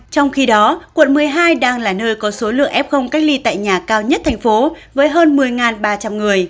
trong khi đó quận một mươi hai đang là nơi có số lượng f cách ly tại nhà cao nhất thành phố với hơn một mươi ba trăm linh người